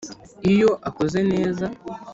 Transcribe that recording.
iyo akoze neza,